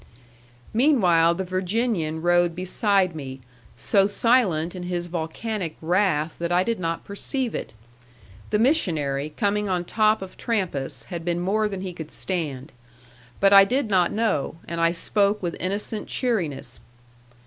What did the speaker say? Meanwhile, the Virginian rode beside me, so silent in his volcanic wrath that I did not perceive it. The missionary coming on top of Trampas had been more than he could stand. But I did not know, and I spoke with innocent cheeriness.